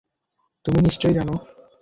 তুমি নিশ্চয়ই জানো।